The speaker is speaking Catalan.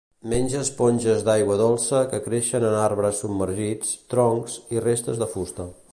Menja esponges d'aigua dolça que creixen en arbres submergits, troncs i restes de fusta.